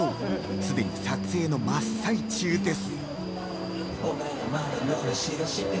すでに撮影の真っ最中です。